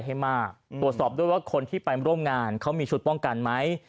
ให้มากตรวจสอบด้วยว่าคนที่ไปร่วมงานเขามีชุดป้องกันไหม